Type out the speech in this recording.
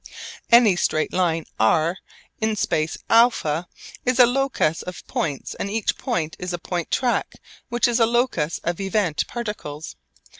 Any straight line r in space α is a locus of points and each point is a point track which is a locus of event particles.